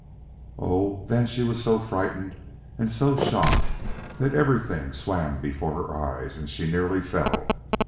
Oh, then she was so frightened and so shocked that everything swam before her eyes and she nearly fell!